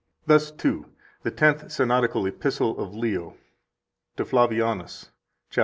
9 Thus, too, the Tenth Synodical Epistle of Leo (to Flavianus, cap.